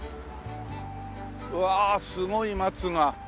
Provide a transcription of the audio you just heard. うわあすごい松がこれは。